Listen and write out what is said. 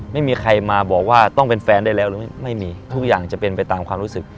ไม่มีใครมาบอกว่าต้องเป็นแฟนได้แล้วหรือไม่มีทุกอย่างจะเป็นไปตามความรู้สึก